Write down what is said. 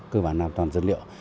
cơ bản là toàn dược liệu